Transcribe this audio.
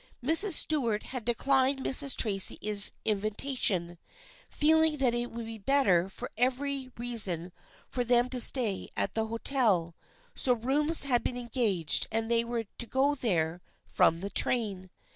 Mrs. Stuart had declined Mrs. Tracy's invi tation, feeling that it would be better for every reason for them to stay at the hotel, so rooms had been engaged and they were to go there from the train.